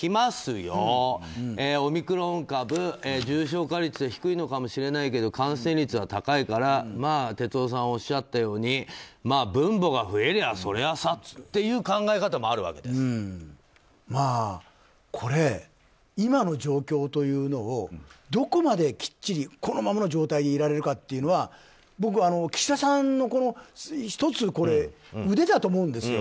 よオミクロン株重症化率は低いのかもしれないけど感染率は高いから哲夫さんがおっしゃったように分母が増えりゃそりゃさっていう考え方もこれ、今の状況というのをどこまで、きっちりこのままの状態でいられるかっていうのは僕、岸田さんの１つの腕だと思うんですよ。